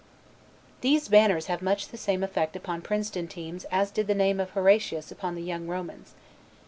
These old banners have much the same effect upon Princeton teams as did the name of Horatius upon the young Romans'!